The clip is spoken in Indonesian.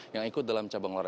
yang ikut dalam cabang olahraga